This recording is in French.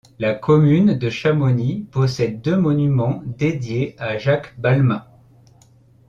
La commune de Chamonix possède deux monuments dédiés à Jacques Balmat.